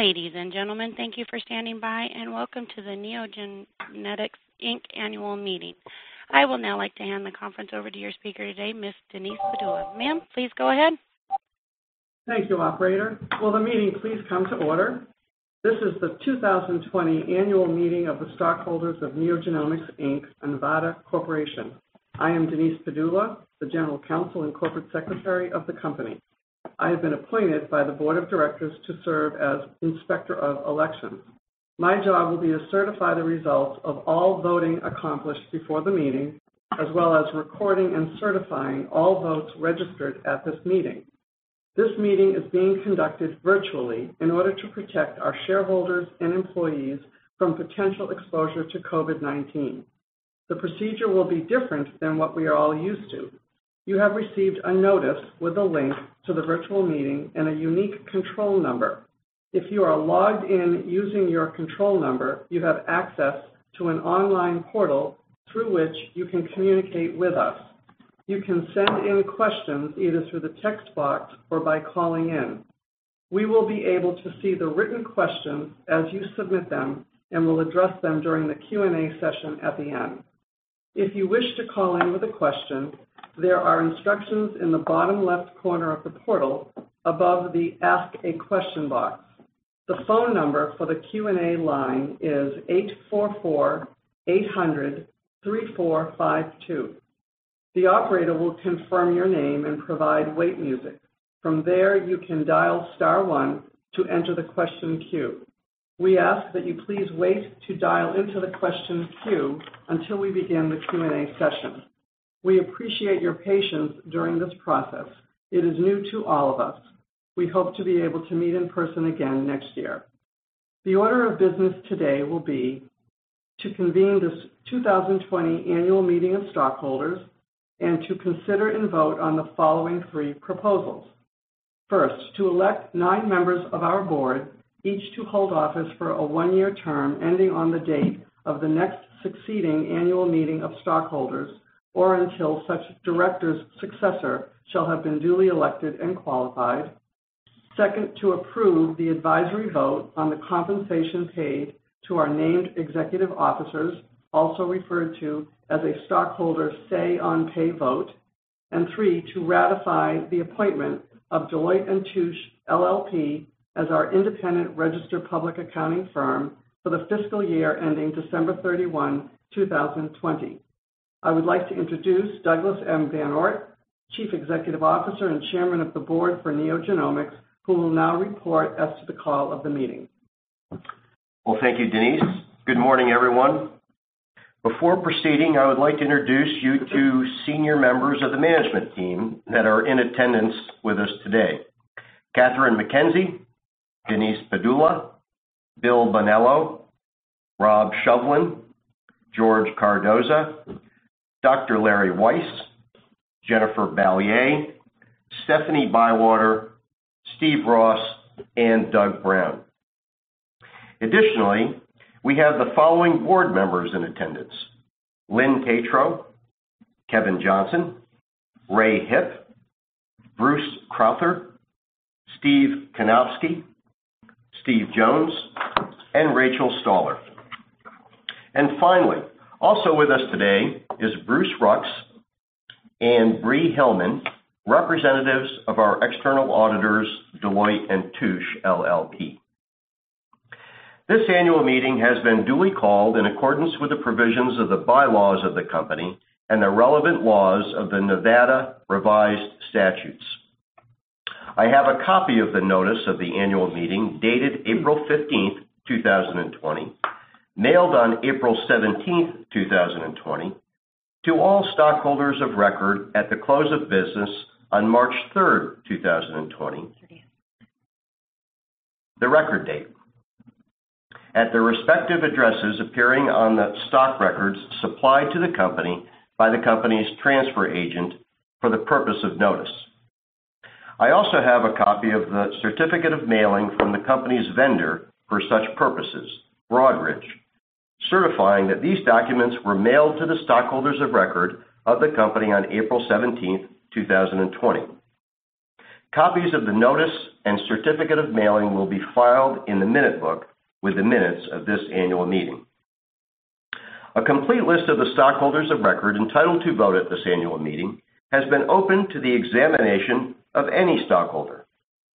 Ladies and gentlemen, thank you for standing by, welcome to the NeoGenomics Inc. Annual Meeting. I will now like to hand the conference over to your speaker today, Ms. Denise Padula. Ma'am, please go ahead. Thank you, operator. Will the meeting please come to order? This is the 2020 annual meeting of the stockholders of NeoGenomics Inc., a Nevada corporation. I am Denise Padula, the general counsel and corporate secretary of the company. I have been appointed by the board of directors to serve as Inspector of Elections. My job will be to certify the results of all voting accomplished before the meeting, as well as recording and certifying all votes registered at this meeting. This meeting is being conducted virtually in order to protect our shareholders and employees from potential exposure to COVID-19. The procedure will be different than what we are all used to. You have received a notice with a link to the virtual meeting and a unique control number. If you are logged in using your control number, you have access to an online portal through which you can communicate with us. You can send in questions either through the text box or by calling in. We will be able to see the written questions as you submit them and will address them during the Q&A session at the end. If you wish to call in with a question, there are instructions in the bottom left corner of the portal above the Ask a Question box. The phone number for the Q&A line is 844-800-3452. The operator will confirm your name and provide wait music. From there, you can dial star one to enter the question queue. We ask that you please wait to dial into the question queue until we begin the Q&A session. We appreciate your patience during this process. It is new to all of us. We hope to be able to meet in person again next year. The order of business today will be to convene this 2020 annual meeting of stockholders and to consider and vote on the following three proposals. First, to elect nine members of our board, each to hold office for a one-year term ending on the date of the next succeeding annual meeting of stockholders, or until such director's successor shall have been duly elected and qualified. Second, to approve the advisory vote on the compensation paid to our named executive officers, also referred to as a stockholder say on pay vote. Three, to ratify the appointment of Deloitte & Touche LLP as our independent registered public accounting firm for the fiscal year ending December 31, 2020. I would like to introduce Douglas M. VanOort, Chief Executive Officer and Chairman of the Board for NeoGenomics, who will now report as to the call of the meeting. Well, thank you, Denise. Good morning, everyone. Before proceeding, I would like to introduce you to senior members of the management team that are in attendance with us today. Kathryn B. Mckenzie, Denise Padula, Bill Bonello, Rob Shovlin, George Cardoza, Dr. Larry Weiss, Jennifer Balliet, Stephanie Bywater, Steve Ross, and Doug Brown. Additionally, we have the following board members in attendance: Lynn Tetrault, Kevin Johnson, Ray Hipp, Bruce Crowther, Steve Kanovsky, Steve Jones, and Rachel Stahler. Finally, also with us today is Bruce Rucks and Bree Hillman, representatives of our external auditors, Deloitte & Touche LLP. This annual meeting has been duly called in accordance with the provisions of the bylaws of the company and the relevant laws of the Nevada Revised Statutes. I have a copy of the notice of the annual meeting dated April 15th, 2020, mailed on April 17th, 2020, to all stockholders of record at the close of business on March 3rd, 2020, the record date. At the respective addresses appearing on the stock records supplied to the company by the company's transfer agent for the purpose of notice. I also have a copy of the certificate of mailing from the company's vendor for such purposes, Broadridge, certifying that these documents were mailed to the stockholders of record of the company on April 17th, 2020. Copies of the notice and certificate of mailing will be filed in the minute book with the minutes of this annual meeting. A complete list of the stockholders of record entitled to vote at this annual meeting has been open to the examination of any stockholder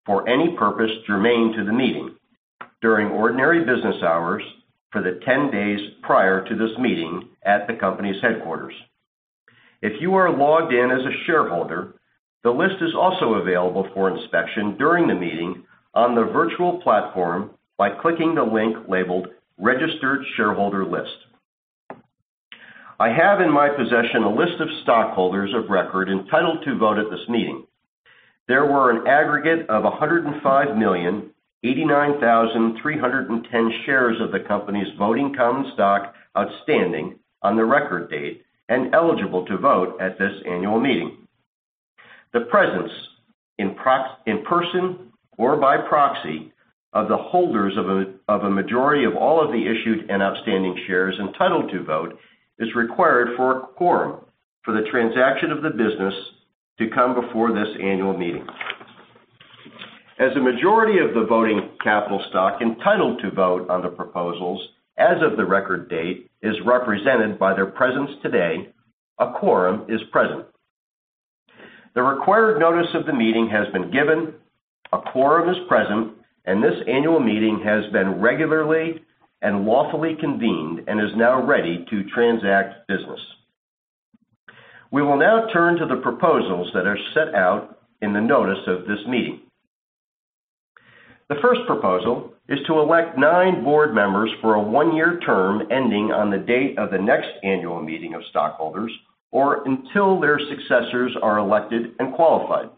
for any purpose germane to the meeting during ordinary business hours for the 10 days prior to this meeting at the company's headquarters. If you are logged in as a shareholder, the list is also available for inspection during the meeting on the virtual platform by clicking the link labeled Registered Shareholder List. I have in my possession a list of stockholders of record entitled to vote at this meeting. There were an aggregate of 105,089,310 shares of the company's voting common stock outstanding on the record date and eligible to vote at this annual meeting. The presence in person or by proxy of the holders of a majority of all of the issued and outstanding shares entitled to vote is required for a quorum for the transaction of the business to come before this annual meeting. As a majority of the voting capital stock entitled to vote on the proposals as of the record date is represented by their presence today, a quorum is present. The required notice of the meeting has been given, a quorum is present, and this annual meeting has been regularly and lawfully convened and is now ready to transact business. We will now turn to the proposals that are set out in the notice of this meeting. The first proposal is to elect nine board members for a one-year term ending on the date of the next annual meeting of stockholders, or until their successors are elected and qualified.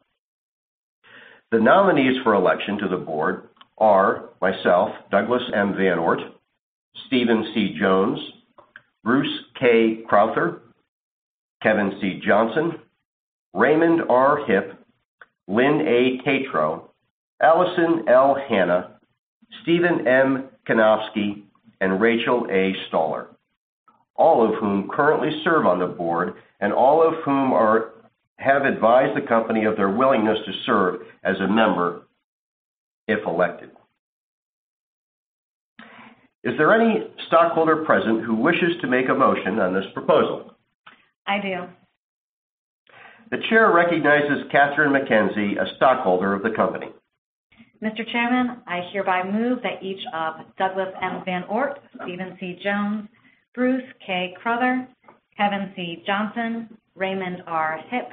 The nominees for election to the board are myself, Douglas M. VanOort, Steven C. Jones, Bruce K. Crowther, Kevin C. Johnson, Raymond R. Hipp, Lynn A. Tetrault, Alison L. Hannah, Stephen M. Kanovsky, and Rachel A. Stahler, all of whom currently serve on the board and all of whom have advised the company of their willingness to serve as a member if elected. Is there any stockholder present who wishes to make a motion on this proposal? I do. The chair recognizes Kathryn McKenzie, a stockholder of the company. Mr. Chairman, I hereby move that each of Douglas M. VanOort, Steven C. Jones, Bruce K. Crowther, Kevin C. Johnson, Raymond R. Hipp,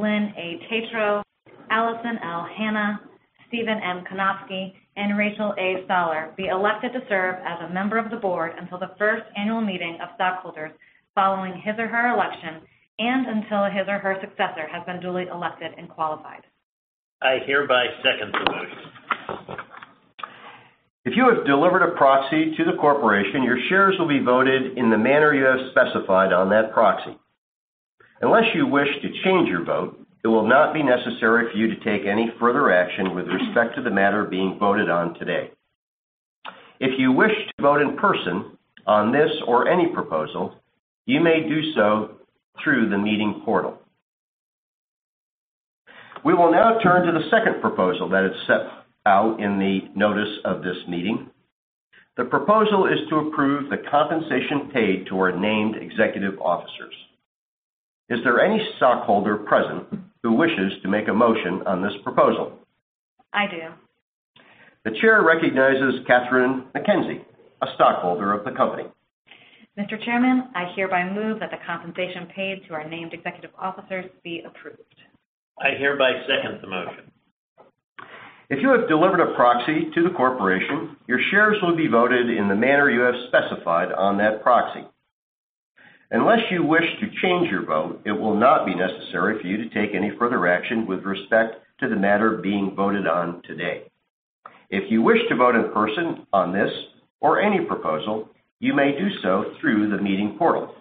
Lynn A. Tetrault, Alison L. Hannah, Stephen M. Kanovsky, and Rachel A. Stahler be elected to serve as a member of the board until the first annual meeting of stockholders following his or her election and until his or her successor has been duly elected and qualified. I hereby second the motion. If you have delivered a proxy to the corporation, your shares will be voted in the manner you have specified on that proxy. Unless you wish to change your vote, it will not be necessary for you to take any further action with respect to the matter being voted on today. If you wish to vote in person on this or any proposal, you may do so through the meeting portal. We will now turn to the second proposal that is set out in the notice of this meeting. The proposal is to approve the compensation paid to our named executive officers. Is there any stockholder present who wishes to make a motion on this proposal? I do. The chair recognizes Kathryn McKenzie, a stockholder of the company. Mr. Chairman, I hereby move that the compensation paid to our named executive officers be approved. I hereby second the motion. If you have delivered a proxy to the corporation, your shares will be voted in the manner you have specified on that proxy. Unless you wish to change your vote, it will not be necessary for you to take any further action with respect to the matter being voted on today. If you wish to vote in person on this or any proposal, you may do so through the meeting portal.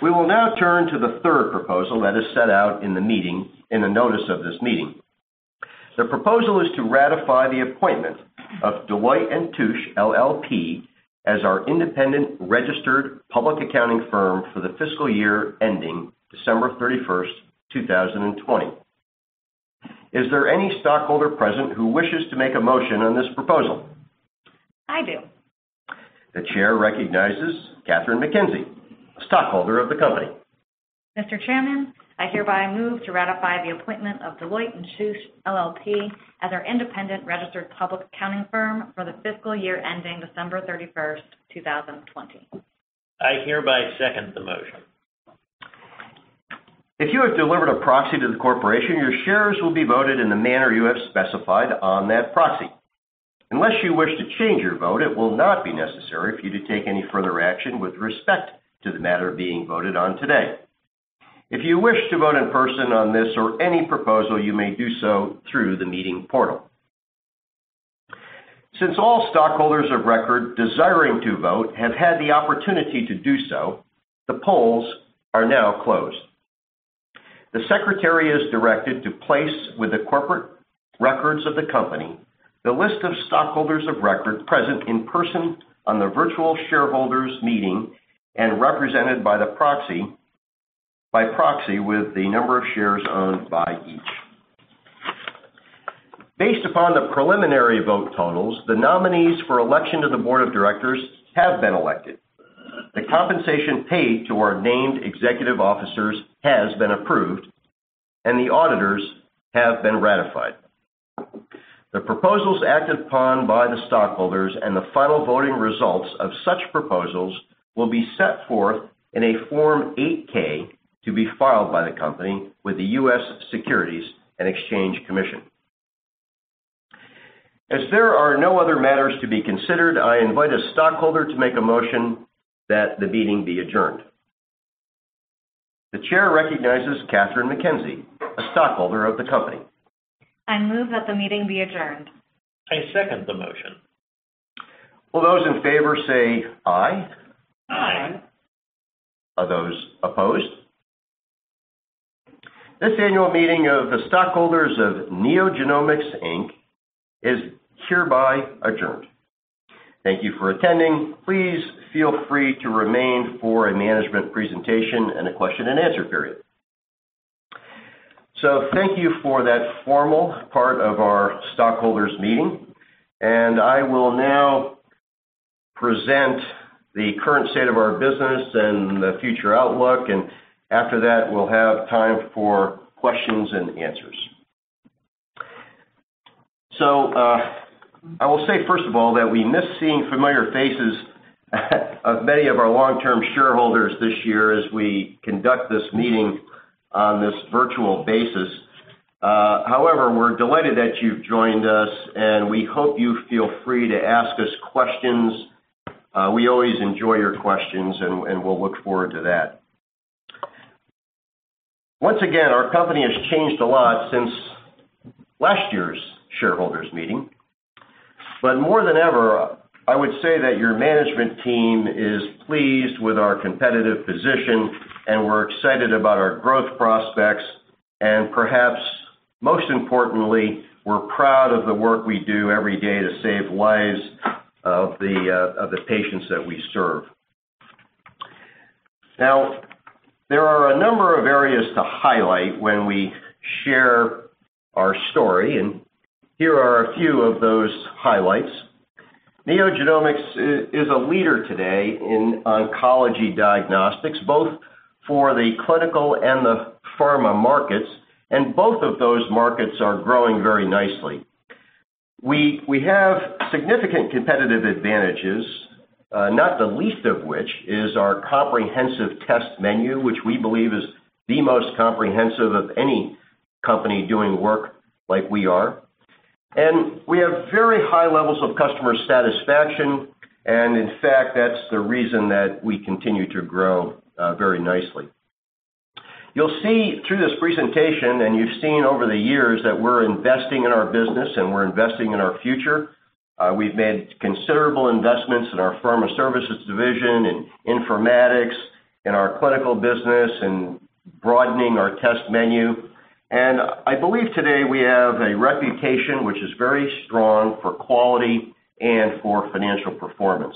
We will now turn to the third proposal that is set out in the notice of this meeting. The proposal is to ratify the appointment of Deloitte & Touche LLP as our independent registered public accounting firm for the fiscal year ending December 31st, 2020. Is there any stockholder present who wishes to make a motion on this proposal? I do. The chair recognizes Kathryn McKenzie, a stockholder of the company. Mr. Chairman, I hereby move to ratify the appointment of Deloitte & Touche LLP as our independent registered public accounting firm for the fiscal year ending December 31st, 2020. I hereby second the motion. If you have delivered a proxy to the corporation, your shares will be voted in the manner you have specified on that proxy. Unless you wish to change your vote, it will not be necessary for you to take any further action with respect to the matter being voted on today. If you wish to vote in person on this or any proposal, you may do so through the meeting portal. Since all stockholders of record desiring to vote have had the opportunity to do so, the polls are now closed. The secretary is directed to place with the corporate records of the company the list of stockholders of record present in person on the virtual shareholders' meeting and represented by proxy with the number of shares owned by each. Based upon the preliminary vote totals, the nominees for election to the board of directors have been elected. The compensation paid to our named executive officers has been approved, and the auditors have been ratified. The proposals acted upon by the stockholders and the final voting results of such proposals will be set forth in a Form 8-K to be filed by the company with the U.S. Securities and Exchange Commission. As there are no other matters to be considered, I invite a stockholder to make a motion that the meeting be adjourned. The chair recognizes Kathryn McKenzie, a stockholder of the company. I move that the meeting be adjourned. I second the motion. Will those in favor say aye? Aye. Aye. Are those opposed? This annual meeting of the stockholders of NeoGenomics Inc. is hereby adjourned. Thank you for attending. Please feel free to remain for a management presentation and a question and answer period. Thank you for that formal part of our stockholders meeting, and I will now present the current state of our business and the future outlook, and after that, we'll have time for questions and answers. I will say, first of all, that we miss seeing familiar faces of many of our long-term shareholders this year as we conduct this meeting on this virtual basis. However, we're delighted that you've joined us, and we hope you feel free to ask us questions. We always enjoy your questions, and we'll look forward to that. Once again, our company has changed a lot since last year's shareholders meeting. More than ever, I would say that your management team is pleased with our competitive position, we're excited about our growth prospects, perhaps most importantly, we're proud of the work we do every day to save lives of the patients that we serve. There are a number of areas to highlight when we share our story, here are a few of those highlights. NeoGenomics is a leader today in oncology diagnostics, both for the clinical and the pharma markets, both of those markets are growing very nicely. We have significant competitive advantages, not the least of which is our comprehensive test menu, which we believe is the most comprehensive of any company doing work like we are. We have very high levels of customer satisfaction, in fact, that's the reason that we continue to grow very nicely. You'll see through this presentation, and you've seen over the years, that we're investing in our business and we're investing in our future. We've made considerable investments in our Pharma Services division, in informatics, in our clinical business, and broadening our test menu. I believe today we have a reputation which is very strong for quality and for financial performance.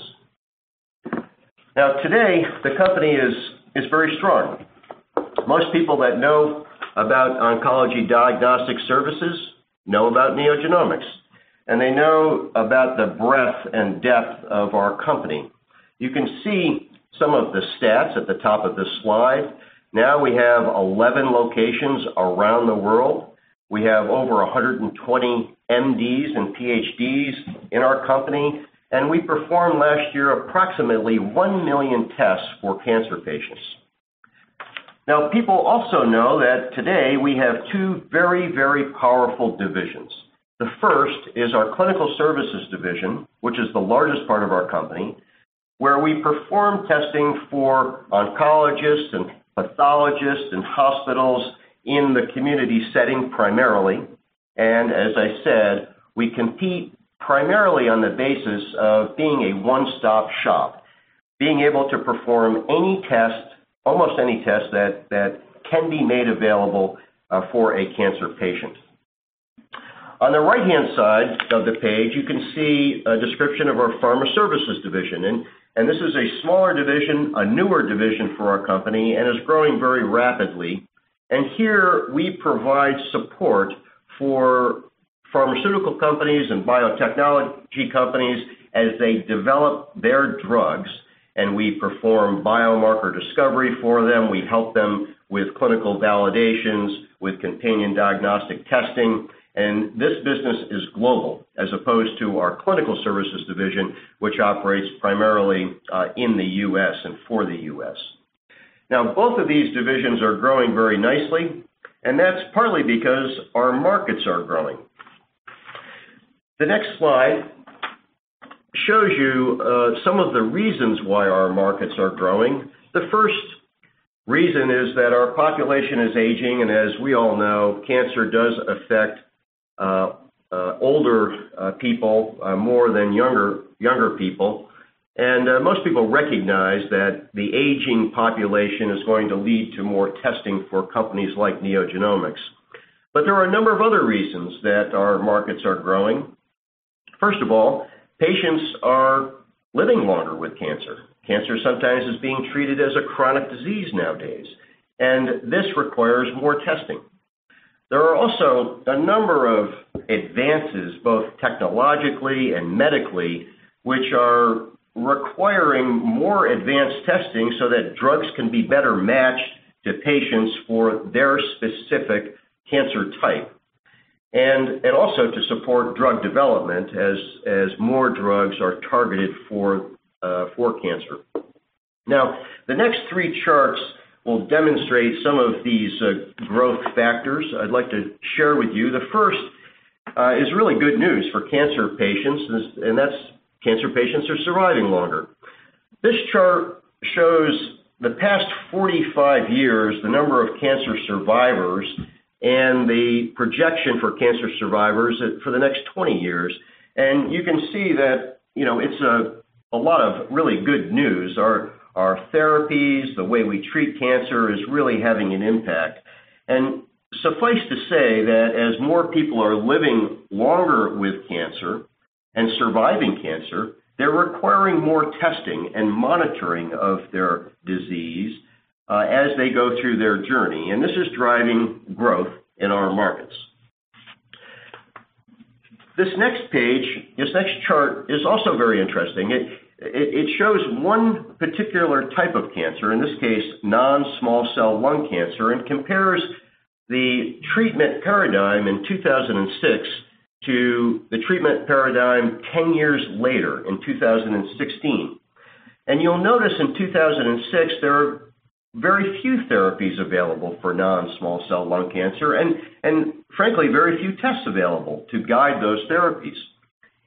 Today, the company is very strong. Most people that know about oncology diagnostic services know about NeoGenomics, and they know about the breadth and depth of our company. You can see some of the stats at the top of this slide. We have 11 locations around the world. We have over 120 MDs and PhDs in our company, and we performed last year approximately one million tests for cancer patients. People also know that today we have two very powerful divisions. The first is our Clinical Services division, which is the largest part of our company, where we perform testing for oncologists and pathologists and hospitals in the community setting primarily. As I said, we compete primarily on the basis of being a one-stop shop, being able to perform any test, almost any test that can be made available for a cancer patient. On the right-hand side of the page, you can see a description of our Pharma Services division. This is a smaller division, a newer division for our company, and is growing very rapidly. Here we provide support for pharmaceutical companies and biotechnology companies as they develop their drugs, and we perform biomarker discovery for them. We help them with clinical validations, with companion diagnostic testing. This business is global as opposed to our Clinical Services division, which operates primarily in the U.S. and for the U.S.. Both of these divisions are growing very nicely, and that's partly because our markets are growing. The next slide shows you some of the reasons why our markets are growing. The first reason is that our population is aging, and as we all know, cancer does affect older people more than younger people. Most people recognize that the aging population is going to lead to more testing for companies like NeoGenomics. There are a number of other reasons that our markets are growing. First of all, patients are living longer with cancer. Cancer sometimes is being treated as a chronic disease nowadays, and this requires more testing. There are also a number of advances, both technologically and medically, which are requiring more advanced testing so that drugs can be better matched to patients for their specific cancer type. Also to support drug development as more drugs are targeted for cancer. The next three charts will demonstrate some of these growth factors I'd like to share with you. The first is really good news for cancer patients, and that's cancer patients are surviving longer. This chart shows the past 45 years, the number of cancer survivors and the projection for cancer survivors for the next 20 years. You can see that it's a lot of really good news. Our therapies, the way we treat cancer is really having an impact. Suffice to say that as more people are living longer with cancer and surviving cancer, they're requiring more testing and monitoring of their disease as they go through their journey, and this is driving growth in our markets. This next chart is also very interesting. It shows one particular type of cancer, in this case, non-small cell lung cancer, and compares the treatment paradigm in 2006 to the treatment paradigm 10 years later in 2016. You'll notice in 2006, there are very few therapies available for non-small cell lung cancer, and frankly, very few tests available to guide those therapies.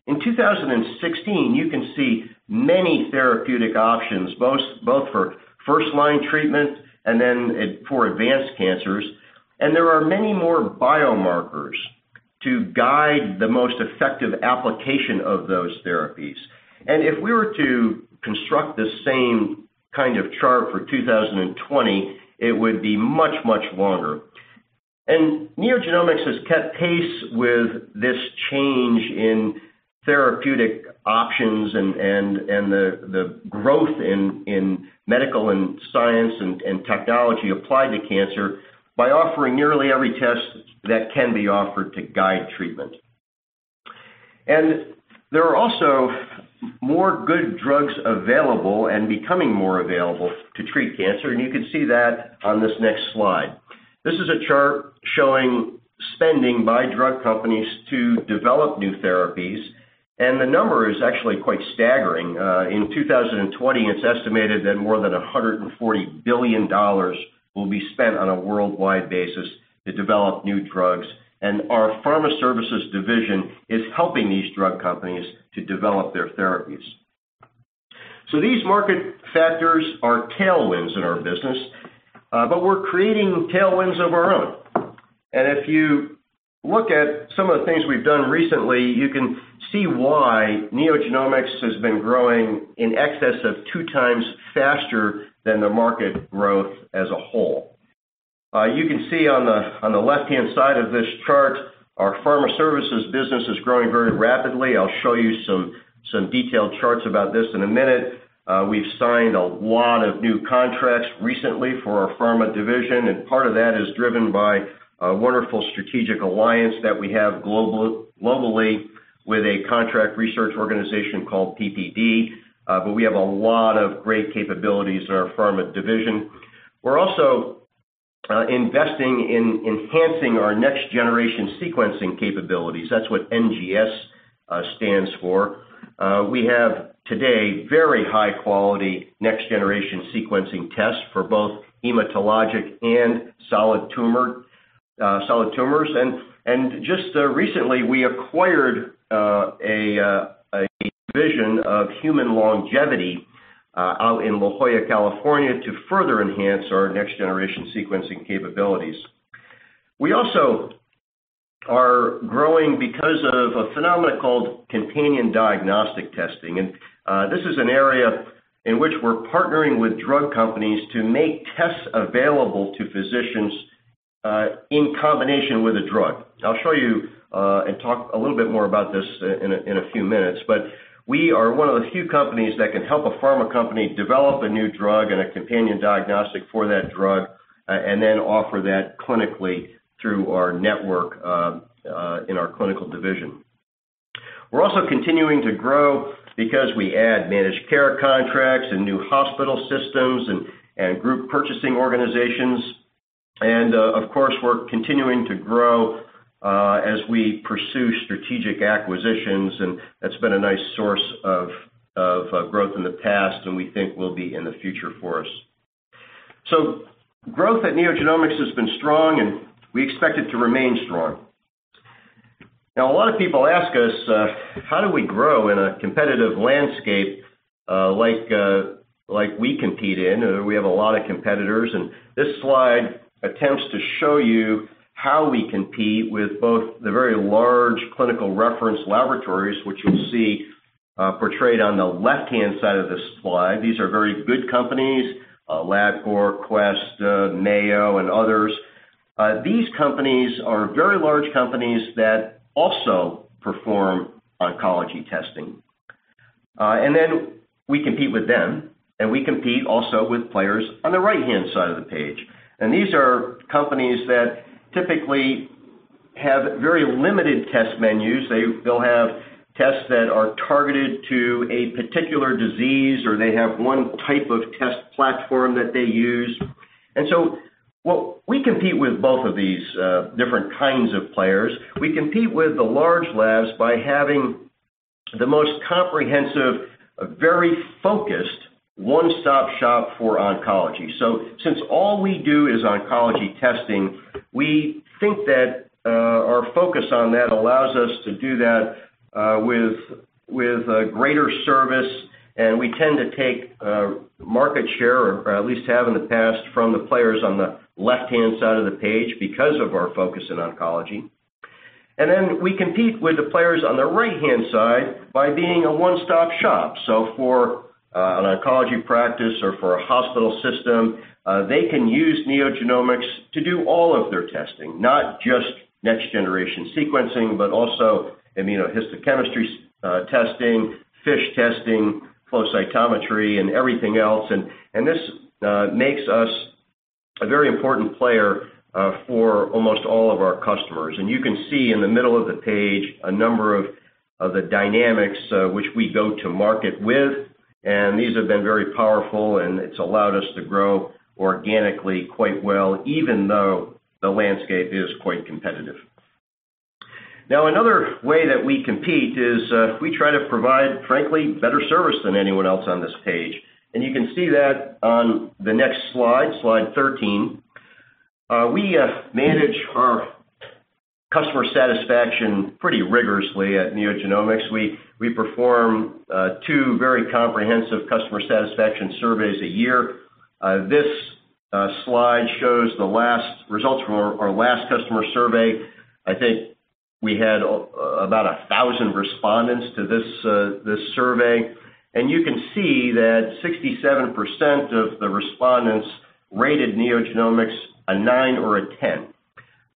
In 2016, you can see many therapeutic options, both for first-line treatment and then for advanced cancers, and there are many more biomarkers to guide the most effective application of those therapies. If we were to construct the same kind of chart for 2020, it would be much, much longer. NeoGenomics has kept pace with this change in therapeutic options and the growth in medical and science and technology applied to cancer by offering nearly every test that can be offered to guide treatment. There are also more good drugs available and becoming more available to treat cancer, and you can see that on this next slide. This is a chart showing spending by drug companies to develop new therapies, and the number is actually quite staggering. In 2020, it's estimated that more than $140 billion will be spent on a worldwide basis to develop new drugs, and our Pharma Services division is helping these drug companies to develop their therapies. These market factors are tailwinds in our business, but we're creating tailwinds of our own. If you look at some of the things we've done recently, you can see why NeoGenomics has been growing in excess of two times faster than the market growth as a whole. You can see on the left-hand side of this chart, our Pharma Services business is growing very rapidly. I'll show you some detailed charts about this in a minute. We've signed a lot of new contracts recently for our Pharma division, and part of that is driven by a wonderful strategic alliance that we have globally with a contract research organization called PPD. We have a lot of great capabilities in our Pharma division. We're also investing in enhancing our next-generation sequencing capabilities. That's what NGS stands for. We have today very high-quality next-generation sequencing tests for both hematologic and solid tumors. Just recently, we acquired a division of Human Longevity out in La Jolla, California, to further enhance our next-generation sequencing capabilities. We also are growing because of a phenomenon called companion diagnostic testing. This is an area in which we're partnering with drug companies to make tests available to physicians in combination with a drug. I'll show you and talk a little bit more about this in a few minutes, but we are one of the few companies that can help a pharma company develop a new drug and a companion diagnostic for that drug, and then offer that clinically through our network in our clinical division. We're also continuing to grow because we add managed care contracts and new hospital systems and group purchasing organizations. Of course, we're continuing to grow as we pursue strategic acquisitions, and that's been a nice source of growth in the past, and we think will be in the future for us. Growth at NeoGenomics has been strong, and we expect it to remain strong. Now, a lot of people ask us, how do we grow in a competitive landscape like we compete in? We have a lot of competitors. This slide attempts to show you how we compete with both the very large clinical reference laboratories, which you'll see portrayed on the left-hand side of this slide. These are very good companies, Labcorp, Quest, Mayo, and others. These companies are very large companies that also perform oncology testing. Then we compete with them, and we compete also with players on the right-hand side of the page. These are companies that typically have very limited test menus. They'll have tests that are targeted to a particular disease, or they have one type of test platform that they use. We compete with both of these different kinds of players. We compete with the large labs by having the most comprehensive, very focused, one-stop shop for oncology. Since all we do is oncology testing, we think that our focus on that allows us to do that with greater service, and we tend to take market share, or at least have in the past, from the players on the left-hand side of the page because of our focus in oncology. We compete with the players on the right-hand side by being a one-stop shop. For an oncology practice or for a hospital system, they can use NeoGenomics to do all of their testing, not just next-generation sequencing, but also immunohistochemistry testing, FISH testing, flow cytometry, and everything else. This makes us a very important player for almost all of our customers. You can see in the middle of the page a number of the dynamics which we go to market with, and these have been very powerful and it's allowed us to grow organically quite well, even though the landscape is quite competitive. Now, another way that we compete is we try to provide, frankly, better service than anyone else on this page. You can see that on the next slide 13. We manage our customer satisfaction pretty rigorously at NeoGenomics. We perform two very comprehensive customer satisfaction surveys a year. This slide shows the results from our last customer survey. I think we had about 1,000 respondents to this survey. You can see that 67% of the respondents rated NeoGenomics a nine or a 10,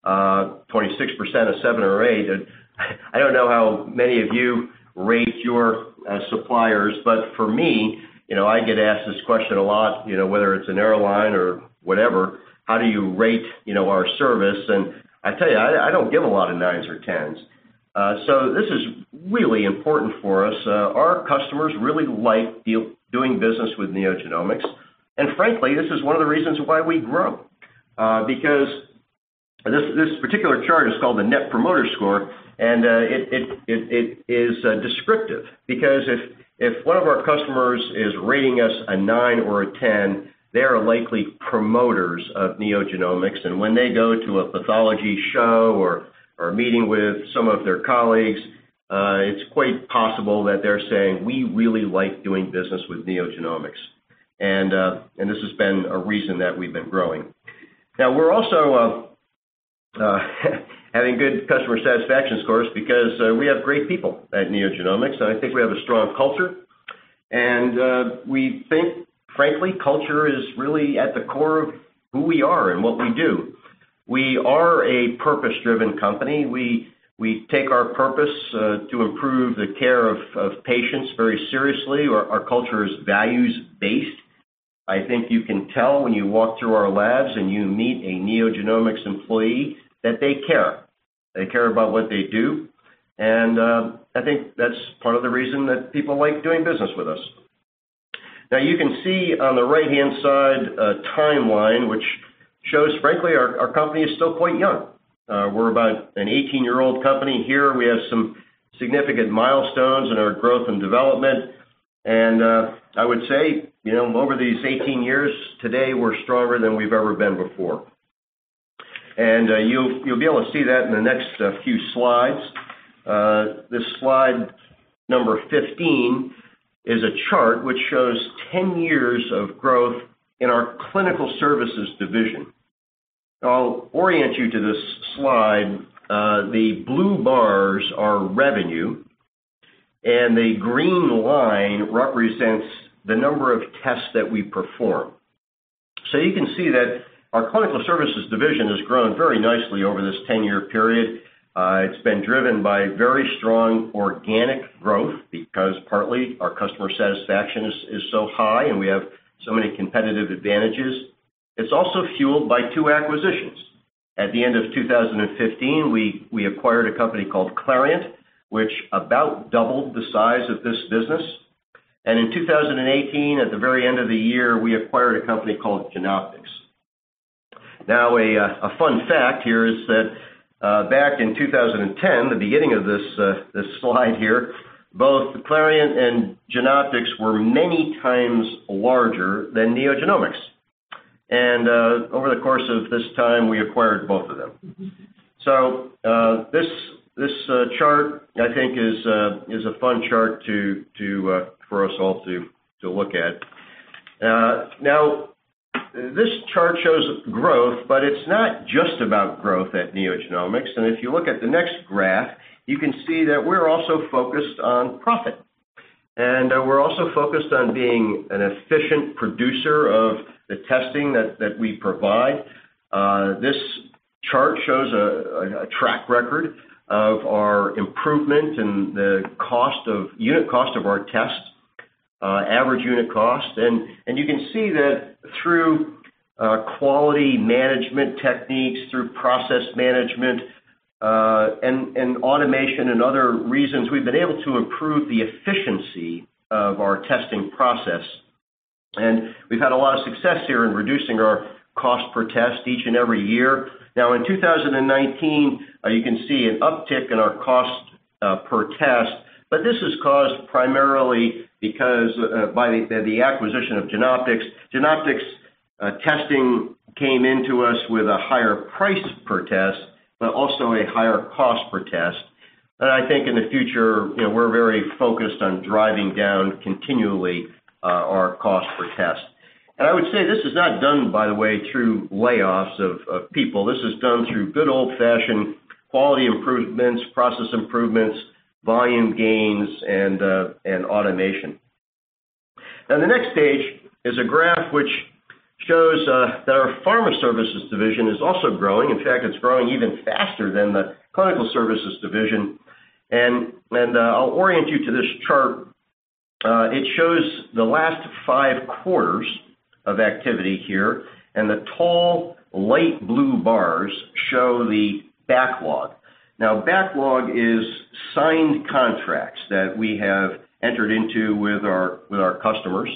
26% a seven or eight. I don't know how many of you rate your suppliers, but for me, I get asked this question a lot, whether it's an airline or whatever, how do you rate our service? I tell you, I don't give a lot of nines or tens. This is really important for us. Our customers really like doing business with NeoGenomics, and frankly, this is one of the reasons why we grow. This particular chart is called the Net Promoter Score, and it is descriptive because if one of our customers is rating us a nine or a 10, they are likely promoters of NeoGenomics. When they go to a pathology show or a meeting with some of their colleagues, it's quite possible that they're saying, "We really like doing business with NeoGenomics." This has been a reason that we've been growing. Now, we're also having good customer satisfaction scores because we have great people at NeoGenomics, and I think we have a strong culture, and we think, frankly, culture is really at the core of who we are and what we do. We are a purpose-driven company. We take our purpose to improve the care of patients very seriously. Our culture is values-based. I think you can tell when you walk through our labs and you meet a NeoGenomics employee that they care. They care about what they do, and I think that's part of the reason that people like doing business with us. You can see on the right-hand side a timeline, which shows, frankly, our company is still quite young. We're about an 18-year-old company here. We have some significant milestones in our growth and development. I would say, over these 18 years, today, we're stronger than we've ever been before. You'll be able to see that in the next few slides. This slide number 15 is a chart that shows 10 years of growth in our Clinical Services division. I'll orient you to this slide. The blue bars are revenue, and the green line represents the number of tests that we perform. You can see that our Clinical Services division has grown very nicely over this 10-year period. It's been driven by very strong organic growth because partly our customer satisfaction is so high, and we have so many competitive advantages. It's also fueled by two acquisitions. At the end of 2015, we acquired a company called Clarient, which about doubled the size of this business. In 2018, at the very end of the year, we acquired a company called Genoptix. A fun fact here is that back in 2010, the beginning of this slide here, both Clarient and Genoptix were many times larger than NeoGenomics. Over the course of this time, we acquired both of them. This chart I think is a fun chart for us all to look at. This chart shows growth, but it's not just about growth at NeoGenomics. If you look at the next graph, you can see that we're also focused on profit, and we're also focused on being an efficient producer of the testing that we provide. This chart shows a track record of our improvement in the unit cost of our tests, average unit cost. You can see that through quality management techniques, through process management, and automation, and other reasons, we've been able to improve the efficiency of our testing process. We've had a lot of success here in reducing our cost per test each and every year. Now, in 2019, you can see an uptick in our cost per test, but this is caused primarily by the acquisition of Genoptix. Genoptix testing came into us with a higher price per test, but also a higher cost per test. I think in the future, we're very focused on driving down continually our cost per test. I would say this is not done, by the way, through layoffs of people. This is done through good old-fashioned quality improvements, process improvements, volume gains, and automation. Now, the next page is a graph which shows that our Pharma Services division is also growing. In fact, it's growing even faster than the Clinical Services division. I'll orient you to this chart. It shows the last five quarters of activity here, and the tall light blue bars show the backlog. Now, backlog is signed contracts that we have entered into with our customers.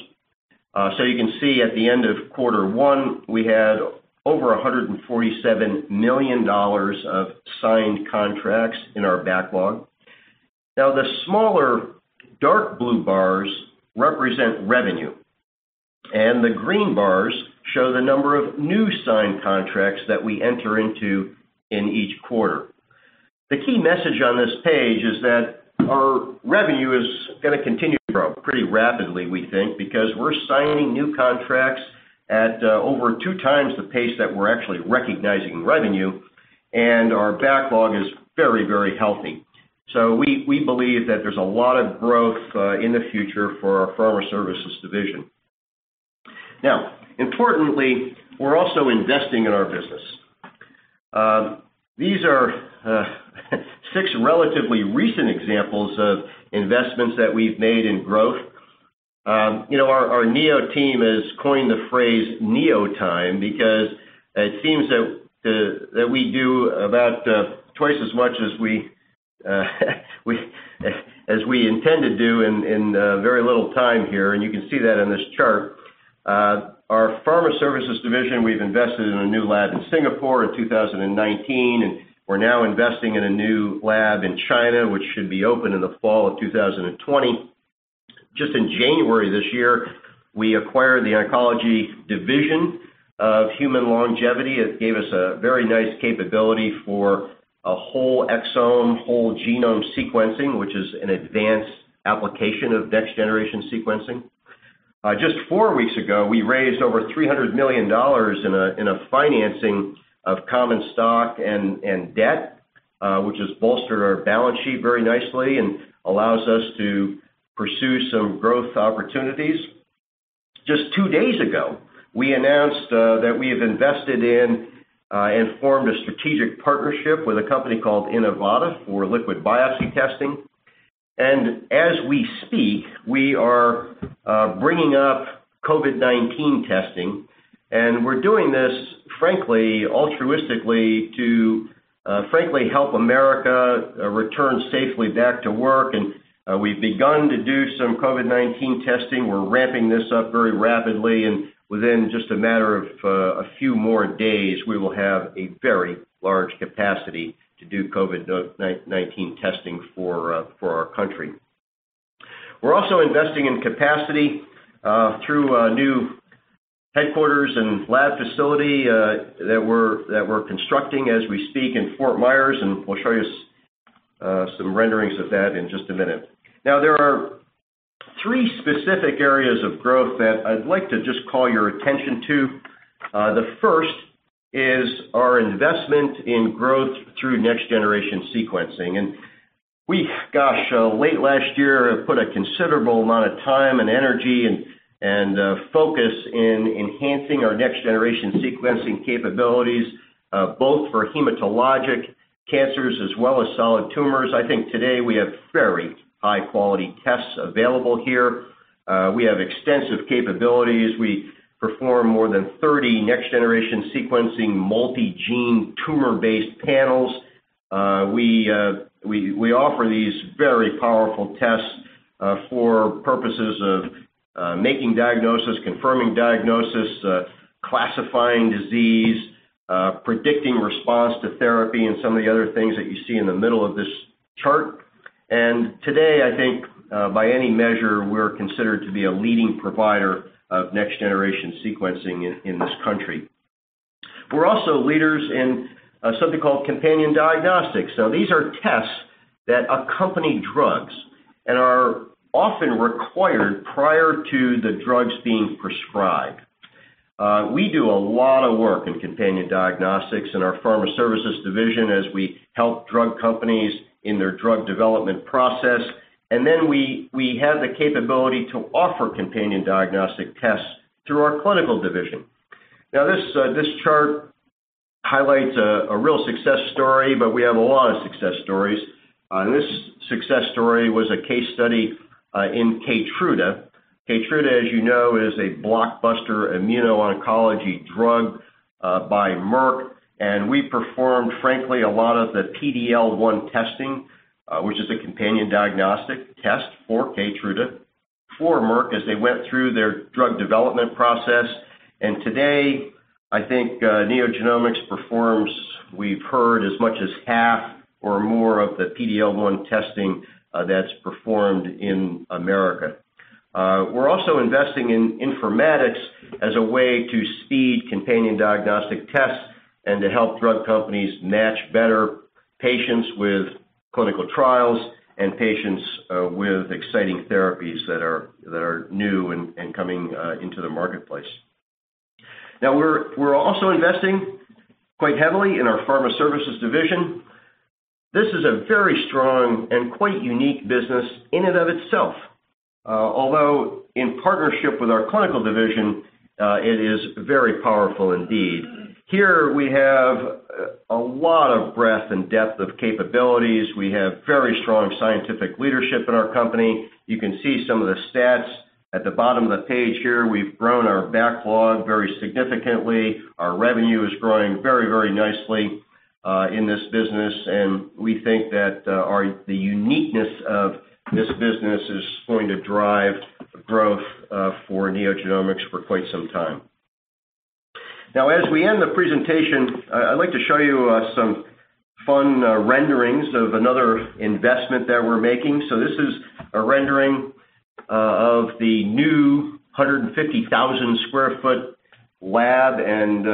You can see at the end of quarter one, we had over $147 million of signed contracts in our backlog. Now, the smaller dark blue bars represent revenue, and the green bars show the number of new signed contracts that we enter into in each quarter. The key message on this page is that our revenue is going to continue to grow pretty rapidly, we think, because we're signing new contracts at over 2x the pace that we're actually recognizing revenue, and our backlog is very healthy. We believe that there's a lot of growth in the future for our Pharma Services division. Importantly, we're also investing in our business. These are six relatively recent examples of investments that we've made in growth. Our Neo team has coined the phrase "Neo time" because it seems that we do about twice as much as we intend to do in very little time here, and you can see that in this chart. Our Pharma Services division, we've invested in a new lab in Singapore in 2019, and we're now investing in a new lab in China, which should be open in the fall of 2020. Just in January this year, we acquired the Oncology Division of Human Longevity. It gave us a very nice capability for a whole exome, whole genome sequencing, which is an advanced application of next-generation sequencing. Just four weeks ago, we raised over $300 million in a financing of common stock and debt, which has bolstered our balance sheet very nicely and allows us to pursue some growth opportunities. Just two days ago, we announced that we have invested in and formed a strategic partnership with a company called Inivata for liquid biopsy testing. As we speak, we are bringing up COVID-19 testing, and we're doing this frankly, altruistically to frankly help America return safely back to work. We've begun to do some COVID-19 testing. We're ramping this up very rapidly, and within just a matter of a few more days, we will have a very large capacity to do COVID-19 testing for our country. We're also investing in capacity through a new headquarters and lab facility that we're constructing as we speak in Fort Myers, and we'll show you some renderings of that in just a minute. Now, there are three specific areas of growth that I'd like to just call your attention to. The first is our investment in growth through next-generation sequencing. We, gosh, late last year, put a considerable amount of time and energy and focus in enhancing our next-generation sequencing capabilities, both for hematologic cancers as well as solid tumors. I think today we have very high-quality tests available here. We have extensive capabilities. We perform more than 30 next-generation sequencing multi-gene tumor-based panels. We offer these very powerful tests for purposes of making diagnosis, confirming diagnosis, classifying disease, predicting response to therapy, and some of the other things that you see in the middle of this chart. Today, I think by any measure, we're considered to be a leading provider of next-generation sequencing in this country. We're also leaders in something called companion diagnostics. These are tests that accompany drugs and are often required prior to the drugs being prescribed. We do a lot of work in companion diagnostics in our Pharma Services division as we help drug companies in their drug development process. We have the capability to offer companion diagnostic tests through our Clinical Services division. This chart highlights a real success story, but we have a lot of success stories. This success story was a case study in KEYTRUDA. KEYTRUDA, as you know, is a blockbuster immuno-oncology drug by Merck, and we performed, frankly, a lot of the PD-L1 testing, which is a companion diagnostic test for KEYTRUDA for Merck as they went through their drug development process. Today, I think NeoGenomics performs, we've heard as much as half or more of the PD-L1 testing that's performed in America. We're also investing in informatics as a way to speed companion diagnostic tests and to help drug companies match better patients with clinical trials and patients with exciting therapies that are new and coming into the marketplace. We're also investing quite heavily in our Pharma Services division. This is a very strong and quite unique business in and of itself, although in partnership with our Clinical Services division, it is very powerful indeed. Here we have a lot of breadth and depth of capabilities. We have very strong scientific leadership in our company. You can see some of the stats at the bottom of the page here. We've grown our backlog very significantly. Our revenue is growing very nicely in this business, and we think that the uniqueness of this business is going to drive growth for NeoGenomics for quite some time. As we end the presentation, I'd like to show you some fun renderings of another investment that we're making. This is a rendering of the new 150,000 square foot lab and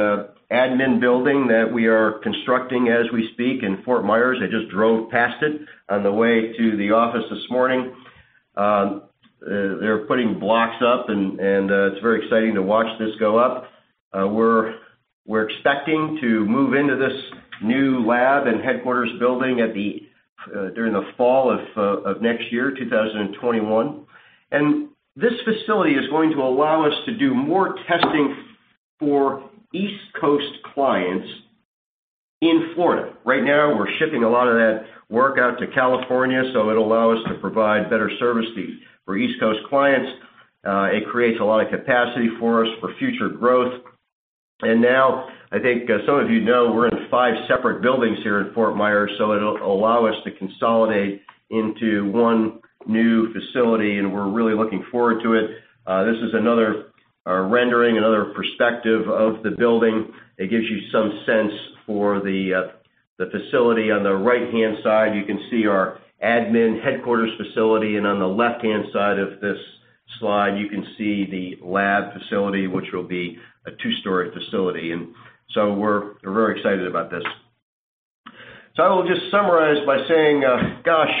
admin building that we are constructing as we speak in Fort Myers. I just drove past it on the way to the office this morning. They're putting blocks up and it's very exciting to watch this go up. We're expecting to move into this new lab and headquarters building during the fall of next year, 2021. This facility is going to allow us to do more testing for East Coast clients in Florida. Right now, we're shipping a lot of that work out to California, so it'll allow us to provide better service for East Coast clients. It creates a lot of capacity for us for future growth. Now, I think some of you know, we're in five separate buildings here in Fort Myers, so it'll allow us to consolidate into one new facility, and we're really looking forward to it. This is another rendering, another perspective of the building. It gives you some sense for the facility. On the right-hand side, you can see our admin headquarters facility, and on the left-hand side of this slide, you can see the lab facility, which will be a two-story facility. We're very excited about this. I will just summarize by saying, gosh,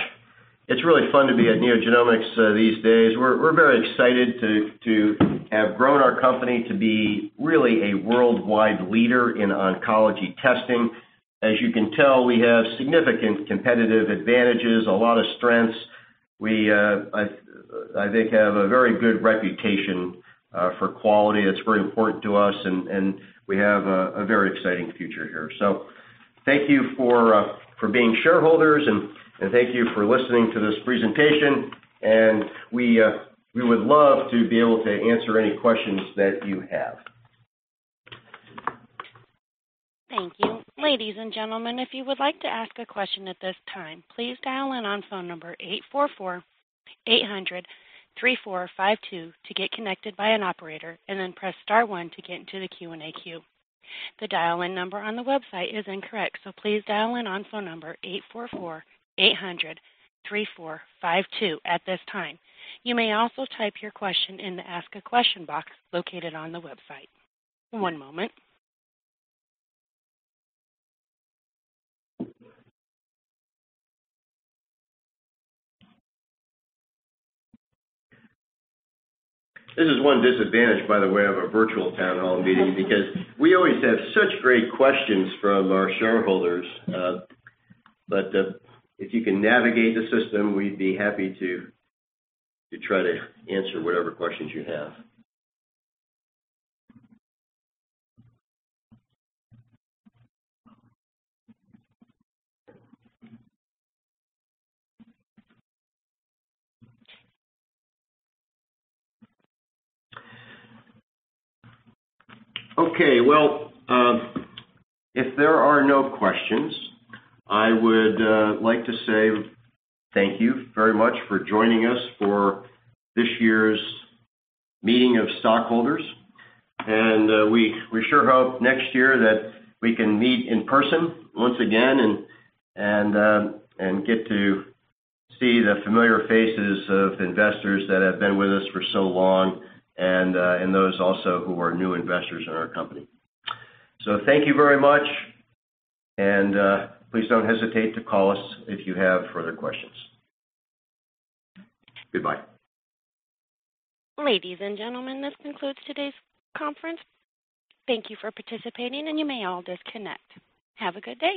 it's really fun to be at NeoGenomics these days. We're very excited to have grown our company to be really a worldwide leader in oncology testing. As you can tell, we have significant competitive advantages, a lot of strengths. We, I think, have a very good reputation for quality. It's very important to us, and we have a very exciting future here. Thank you for being shareholders, and thank you for listening to this presentation, and we would love to be able to answer any questions that you have. Thank you. Ladies and gentlemen, if you would like to ask a question at this time, please dial in on phone number 844-800-3452 to get connected by an operator, and then press star one to get into the Q&A queue. The dial-in number on the website is incorrect, so please dial in on phone number 844-800-3452 at this time. You may also type your question in the Ask a Question box located on the website. One moment. This is one disadvantage, by the way, of a virtual town hall meeting because we always have such great questions from our shareholders. If you can navigate the system, we'd be happy to try to answer whatever questions you have. If there are no questions, I would like to say thank you very much for joining us for this year's meeting of stockholders. We sure hope next year that we can meet in person once again and get to see the familiar faces of investors that have been with us for so long and those also who are new investors in our company. Thank you very much, and please don't hesitate to call us if you have further questions. Goodbye. Ladies and gentlemen, this concludes today's conference. Thank you for participating, and you may all disconnect. Have a good day.